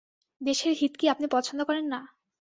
দেশের হিত কি আপনি পছন্দ করেন না?